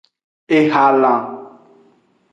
Ehalan.